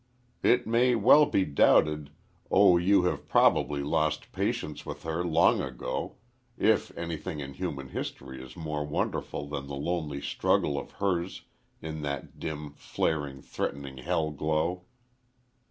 It may well be doubted O you who have probably lost patience with her long ago! if anything in human history is more wonderful than the lonely struggle of hers in that dim, flaring, threatening hell glow.